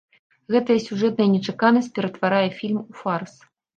Гэтая сюжэтная нечаканасць ператварае фільм у фарс.